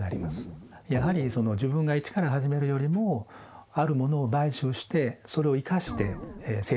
やはり自分が一から始めるよりもあるものを買収してそれを生かして成長していくと。